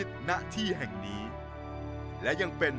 พระพุทธพิบูรณ์ท่านาภิรม